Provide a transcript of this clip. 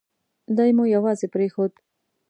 دای مو یوازې پرېښود.